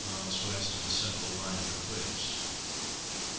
W. of the central line of eclipse.